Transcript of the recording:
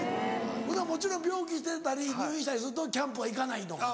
もちろん病気してたり入院したりするとキャンプは行かないのか。